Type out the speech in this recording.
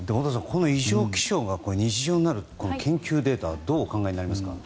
こういう異常気象が日常になるという研究データはどうお考えになりますか。